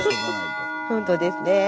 本当ですね。